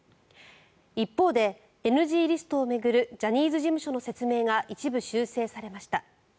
一方でＮＧリストを巡るジャニーズ事務所の説明が一部修正されました。